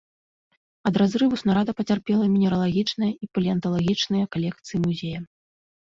Ад разрыву снарада пацярпела мінералагічная і палеанталагічныя калекцыя музея.